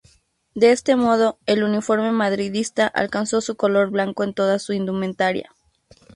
De este modo, el uniforme madridista alcanzó su color blanco en toda su indumentaria.